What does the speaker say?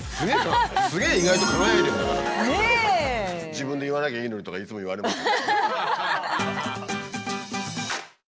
「自分で言わなきゃいいのに」とかいつも言われますよ。